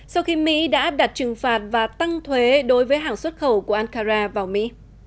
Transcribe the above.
sau khi mỹ đã áp đặt trừng phạt và tăng thuế đối với hàng xuất khẩu của ankara vào mỹ